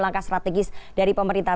langkah strategis dari pemerintah